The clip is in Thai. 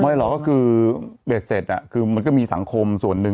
หรอกก็คือเบ็ดเสร็จคือมันก็มีสังคมส่วนหนึ่ง